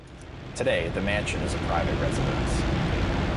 Today, the mansion is a private residence.